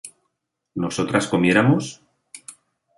¿nosotras comiéramos?